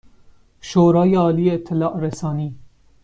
شورای عالی اطلاع رسانی